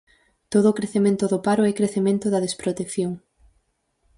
Todo o crecemento do paro é crecemento da desprotección.